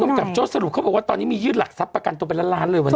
กับโจ้สรุปเขาบอกว่าตอนนี้มียื่นหลักทรัพย์ประกันตัวเป็นล้านล้านเลยวันนี้